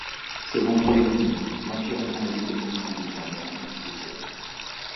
Selon Boulding, l'environnement et l'économie sont désormais indissociables.